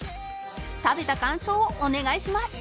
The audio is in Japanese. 食べた感想をお願いします